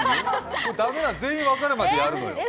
駄目だよ、全員分かるまでやるのよ。